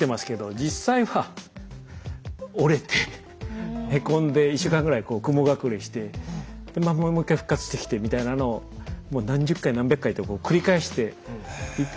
実際は折れてへこんで１週間ぐらい雲隠れしてもう１回復活してきてみたいなのをもう何十回何百回と繰り返していて。